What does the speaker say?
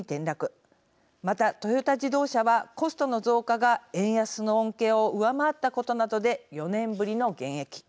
またトヨタ自動車はコストの増加が円安の恩恵を上回ったことなどで４年ぶりの減益。